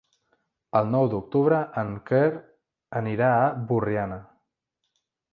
El nou d'octubre en Quer anirà a Borriana.